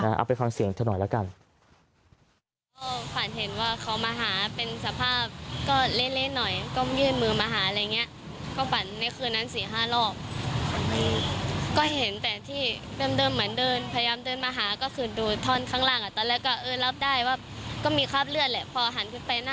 เอาไปฟังเสียงเธอหน่อยละกัน